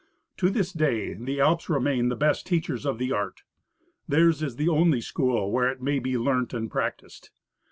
To this day the Alps remain the best teachers of the art. Theirs is the only school where it may be learnt and practised.